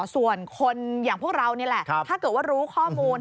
ส่วนคนอย่างพวกเรานี่แหละถ้าเกิดว่ารู้ข้อมูล